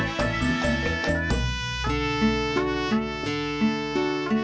udah siap mungkin duitpal sel